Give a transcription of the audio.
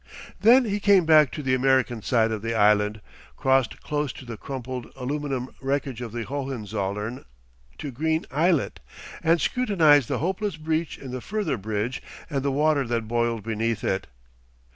Then he came back to the American side of the island, crossed close to the crumpled aluminium wreckage of the Hohenzollern to Green Islet, and scrutinised the hopeless breach in the further bridge and the water that boiled beneath it.